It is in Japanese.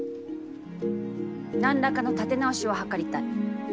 何らかの立て直しを計りたい。